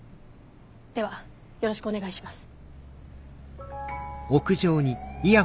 ではよろしくお願いします。